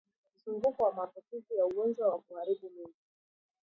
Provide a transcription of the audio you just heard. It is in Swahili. Mzunguko wa maambukizi ya ugonjwa wa kuharibu mimba